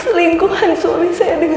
adin juga kan kutip ibu